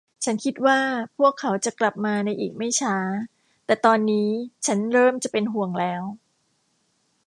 ฉันคิดว่าพวกเขาจะกลับมาในอีกไม่ช้า แต่ตอนนี้ฉันเริ่มจะเป็นห่วงแล้ว